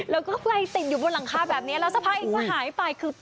แล้วก็ไฟติดอยู่บนหลังคาแบบนี้แล้วสักพักเองก็หายไปคือ